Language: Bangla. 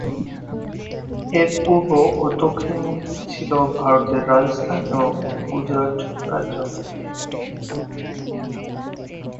এর পূর্ব ও দক্ষিণ দিকে ছিল ভারতের রাজস্থান এবং গুজরাট রাজ্য।